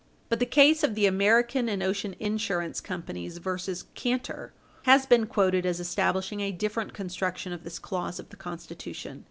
But the case of the American and Ocean Insurance Companies v. Canter, 1 Pet. 511, has been quoted as establishing a different construction of this clause of the Constitution.